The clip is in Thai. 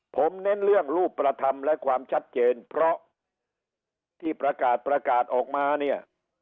ผมเน้นเรื่องรูปธรรมและความชัดเจนเพราะที่ประกาศประกาศออกมาเนี่ย